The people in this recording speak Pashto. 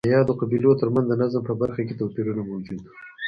د یادو قبیلو ترمنځ د نظم په برخه کې توپیرونه موجود وو